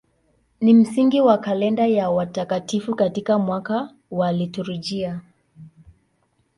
Ni msingi wa kalenda ya watakatifu katika mwaka wa liturujia.